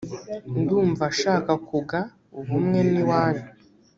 ndumva shaka kuga ubumwe n’ iwanyu